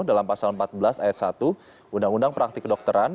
dalam pasal empat belas ayat satu undang undang praktik kedokteran